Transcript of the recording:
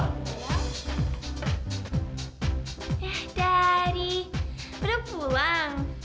eh daddy udah pulang